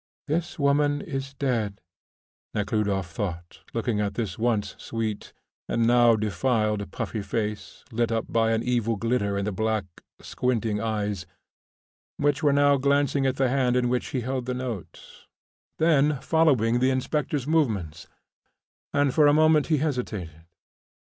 "This woman is dead," Nekhludoff thought, looking at this once sweet, and now defiled, puffy face, lit up by an evil glitter in the black, squinting eyes which were now glancing at the hand in which he held the note, then following the inspector's movements, and for a moment he hesitated.